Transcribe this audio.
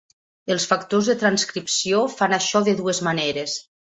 Els factors de transcripció fan això de dues maneres.